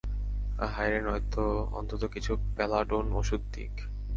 হায়রে, নয়তো অন্তত কিছু প্যালাডোন ঔষধ দিক।